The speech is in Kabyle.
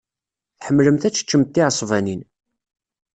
Tḥemmlemt ad teččemt tiɛesbanin.